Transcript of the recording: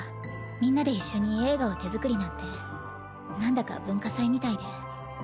みんなで一緒に映画を手作りなんてなんだか文化祭みたいで。